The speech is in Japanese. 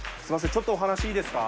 ちょっとお話いいですか？